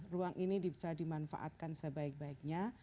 ruang ini bisa dimanfaatkan sebaik baiknya